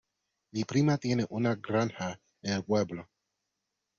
Mi prima tiene una granja en el pueblo.